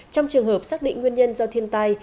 trong trường hợp xác định nguyên nhân do thiên tai